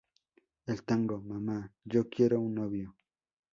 El tango "Mama...¡Yo quiero un novio!